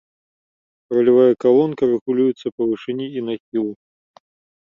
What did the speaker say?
Рулявая калонка рэгулюецца па вышыні і нахілу.